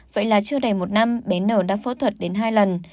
vậy là chưa đầy một năm bé nở đã phẫu thuật đến hai lần